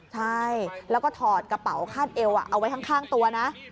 ใช่แล้วก็ถอดกระเป๋าคาดเอวเอาไว้ข้างตัวนะ